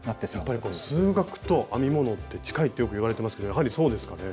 やっぱり数学と編み物って近いってよくいわれてますけどやはりそうですかね？